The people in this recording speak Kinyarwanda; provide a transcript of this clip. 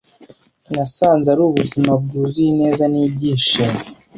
Nasanze ari ubuzima bwuzuye ineza n'ibyishimo;